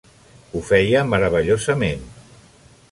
Ho feia meravellosament.